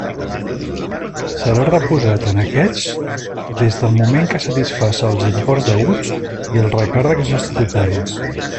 Serà reposat en aquests des del moment que satisfaça els imports deguts i els recàrrecs estatutaris.